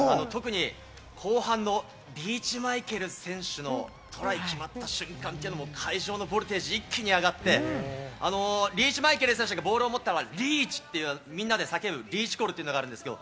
特に後半のリーチ・マイケル選手のトライ決まった瞬間、会場のボルテージ、一気に上がってリーチ・マイケル選手がボールを持ったら「リーチ！」ってみんなが叫ぶ、リーチコールというのあるんですよ。